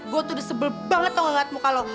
gue tuh udah sebel banget tau ga ngeliat muka lo